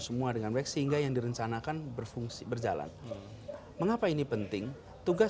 semua dengan baik sehingga yang direncanakan berfungsi berjalan mengapa ini penting tugas